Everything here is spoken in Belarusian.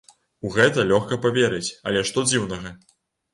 У гэта лёгка паверыць, але што дзіўнага?